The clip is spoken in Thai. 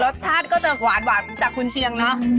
รสชาติก็จะหวานจากคุณเชียงเนอะ